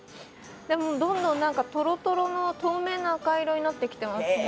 でもどんどん何かトロトロの透明な赤色になってきてますね。